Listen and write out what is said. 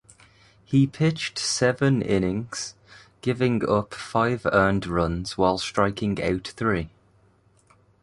He pitched seven innings, giving up five earned runs while striking out three.